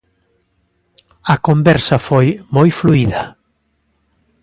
A conversa foi moi fluída.